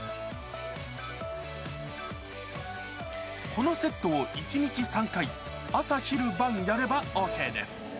このセットを１日３回、朝昼晩やればＯＫです。